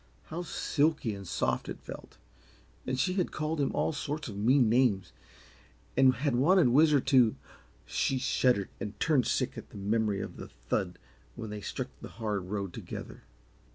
How silky and soft it felt! And she had called him all sorts of mean names, and had wanted Whizzer to she shuddered and turned sick at the memory of the thud when they struck the hard road together.